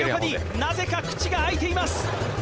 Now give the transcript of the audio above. なぜか口が開いています